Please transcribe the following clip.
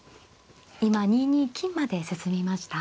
今２二金まで進みました。